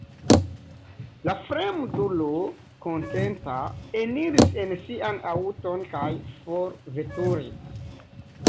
La fremdulo, kontenta, eniris en sian aŭton kaj forveturis.